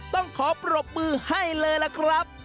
ต้องขอปรบมือให้เลยล่ะครับ